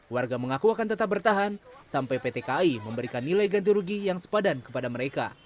warga mengaku akan tetap bertahan sampai pt kai memberikan nilai ganti rugi yang sepadan kepada mereka